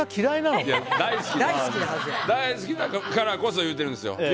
大好きだからこそ言ってるんですよ。